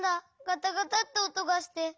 ガタガタっておとがして。